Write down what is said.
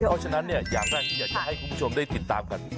ก็ฉะนั้นอยากให้คุณผู้ชมได้ติดตามกัน